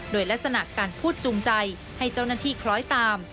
โดยลักษณะการพูดจูงใจให้เจ้าหน้าที่คล้อยตาม